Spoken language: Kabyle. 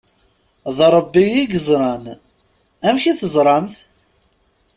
D Ṛebbi i yeẓṛan! "Amek i teẓṛamt?"